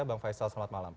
bang faisal selamat malam